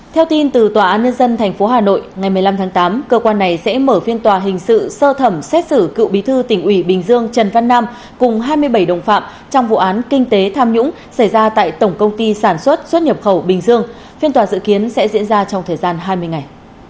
theo tin từ tòa án nhân dân tp hà nội ngày một mươi năm tháng tám cơ quan này sẽ mở phiên tòa hình sự sơ thẩm xét xử cựu bí thư tỉnh ủy bình dương trần văn nam cùng hai mươi bảy đồng phạm trong vụ án kinh tế tham nhũng xảy ra tại tổng công ty sản xuất xuất nhập khẩu bình dương phiên tòa dự kiến sẽ diễn ra trong thời gian hai mươi ngày